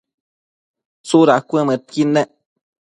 ¿tsudad cuëdmëdquid ne?